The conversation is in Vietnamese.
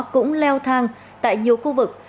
cũng leo thang tại nhiều khu vực